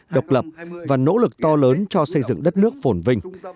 độc lập và nỗ lực to lớn cho xây dựng đất nước phổn vinh